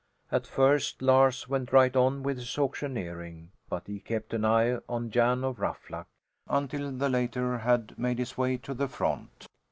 At first Lars went right on with his auctioneering, but he kept an eye on Jan of Ruffluck until the later had made his way to the front.